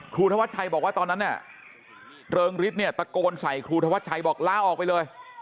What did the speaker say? ธวัชชัยบอกว่าตอนนั้นเนี่ยเริงฤทธิเนี่ยตะโกนใส่ครูธวัชชัยบอกลาออกไปเลย